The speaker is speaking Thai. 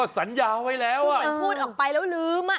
สัญญาไว้แล้วว่ามันพูดออกไปแล้วลืมอ่ะ